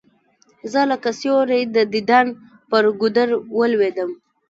زه لکه سیوری د دیدن پر گودر ولوېدلم